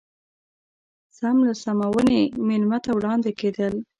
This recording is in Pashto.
سم له سمونې مېلمه ته وړاندې کېدل.